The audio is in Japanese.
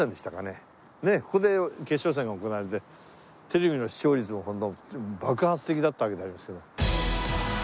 ねっここで決勝戦が行われてテレビの視聴率も爆発的だったわけでありますけど。